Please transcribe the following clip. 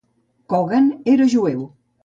Kogan era jueu.